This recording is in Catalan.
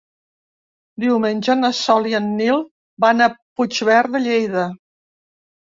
Diumenge na Sol i en Nil van a Puigverd de Lleida.